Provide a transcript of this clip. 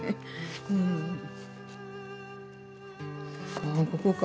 ああここか。